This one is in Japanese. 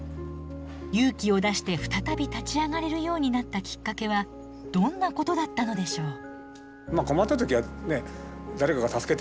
勇気を出して再び立ち上がれるようになったきっかけはどんなことだったのでしょう？